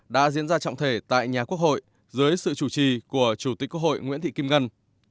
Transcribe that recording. đã diễn ra trọng thể tại nhà quốc hội dưới sự chủ trì của chủ tịch quốc hội nguyễn thị kim ngân